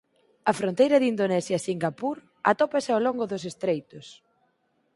A fronteira de Indonesia e Singapur atópase ao longo dos estreitos.